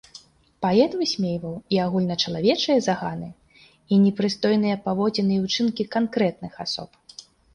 Паэт высмейваў і агульначалавечыя заганы, і непрыстойныя паводзіны і ўчынкі канкрэтных асоб.